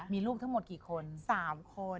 มีลูกทั้งหมด๓คน